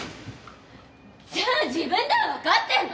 じゃあ自分ではわかってるの？